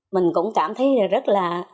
mình cũng cảm thấy rất là